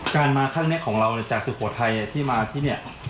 การมาครั้งนี้ของเราจากสุโขทัยที่มาที่เนี่ย